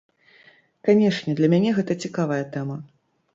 Канешне, для мяне гэта цікавая тэма.